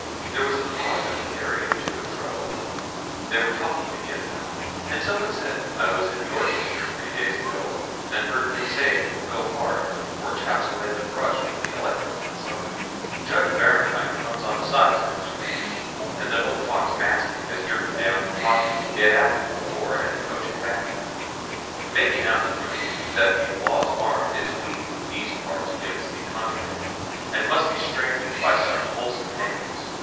There was a pause in the carrying to and fro; they were talking again now, and someone said 'I was in Dorchester three days ago, and heard men say it will go hard with the poor chaps who had the brush with the Elector last summer. Judge Barentyne comes on Assize next week, and that old fox Maskew has driven down to Taunton to get at him before and coach him back; making out to him that the Law's arm is weak in these parts against the contraband, and must be strengthened by some wholesome hangings.'